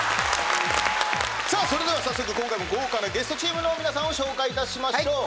さあそれでは早速今回も豪華なゲストチームの皆さんを紹介いたしましょう。